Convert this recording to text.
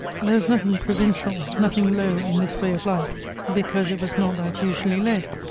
There was nothing provincial, nothing low in this way of life, because it was not that usually led.